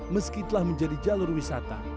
meski telah menjadi jalur wisata